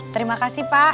terima kasih pak